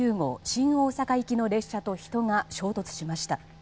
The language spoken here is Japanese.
新大阪行きの列車と人が衝突しました。